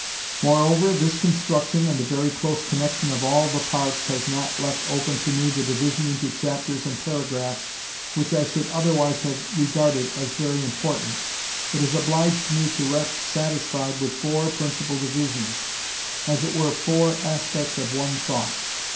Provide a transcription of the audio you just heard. Moreover this construction, and the very close connection of all the parts, has not left open to me the division into chapters and paragraphs which I should otherwise have regarded as very important, but has obliged me to rest satisfied with four principal divisions, as it were four aspects of one thought.